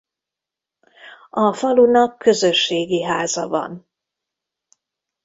A falunak közösségi háza van.